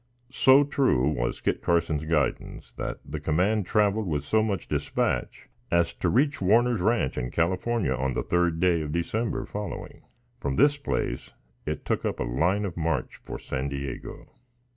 So true was Kit Carson's guidance, that the command traveled with so much dispatch as to reach Warner's Ranche, in California, on the third day of December following. From this place it took up a line of march for San Diego.